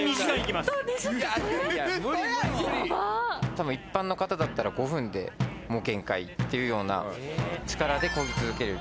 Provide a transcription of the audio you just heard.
多分一般の方だったら５分でもう限界っていうような力で漕ぎ続ける。